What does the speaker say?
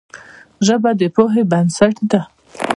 ژبه د پوهې بنسټ ده